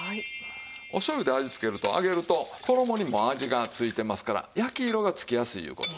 お醤油で味つけると揚げると衣にも味がついてますから焼き色がつきやすいいう事。